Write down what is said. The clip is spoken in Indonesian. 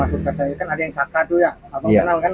maksud katanya kan ada yang salah maksud katanya kan ada yang salah